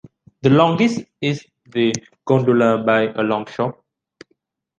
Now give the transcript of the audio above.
The longest is the Gondola by a longshot.